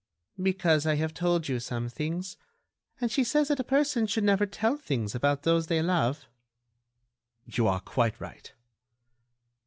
"Because I have told you some things ... and she says that a person should never tell things about those they love." "You are quite right."